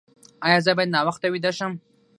ایا زه باید ناوخته ویده شم؟